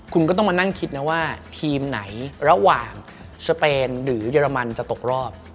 คุณก็ต้องมานั่งคิดนะว่าทีมไหนระหว่างสเปนหรือเยอรมันจะตกรอบ